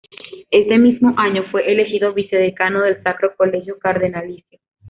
Este mismo año fue elegido vice-decano del Sacro Colegio Cardenalicio.